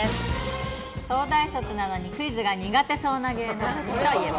東大卒なのにクイズが苦手そうな芸能人といえば？